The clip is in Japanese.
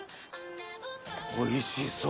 おいしそう。